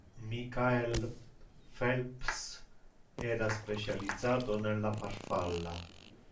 Michael Phelps era specializzato nella farfalla